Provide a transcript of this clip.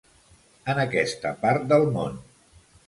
En aquesta part del món.